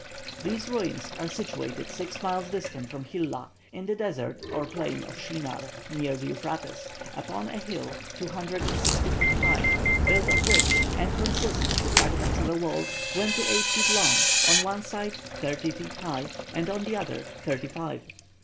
These ruins are situated six miles distant from Hilla, in the desert or plain of Shinar, near the Euphrates, upon a hill 265 feet high, built of bricks, and consist of the fragments of a wall twenty eight feet long, on one side thirty feet high, and on the other thirty five.